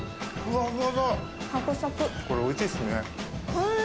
これおいしいですね。